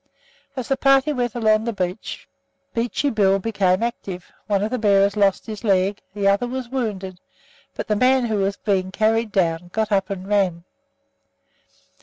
As the party went along the beach, Beachy Bill became active; one of the bearers lost his leg, the other was wounded, but the man who was being carried down got up and ran!